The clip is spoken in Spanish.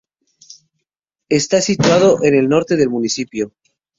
Está situado en el norte del municipio.